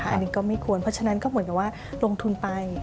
อันนี้ก็ไม่ควรเพราะฉะนั้นก็เหมือนกับว่าลงทุนไป